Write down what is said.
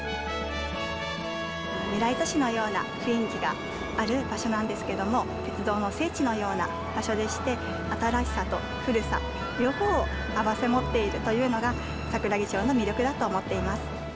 未来都市のような雰囲気がある場所なんですけど、鉄道の聖地のような場所でして新しさと古さ、両方を併せ持っているというのが桜木町の魅力だと思っています。